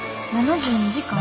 ７２時間？